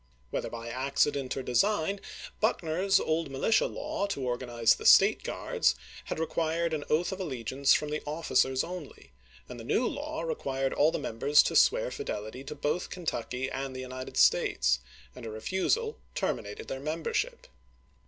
Whether by accident or design, Buckner's old militia law to organize the " State Guards " had re quired an oath of allegiance from the officers only, Act of May ^hc uew law required all the members to swear KenSy fidelity to both Kentucky and the United States, Lawl!"T6. and a refusal terminated their membership.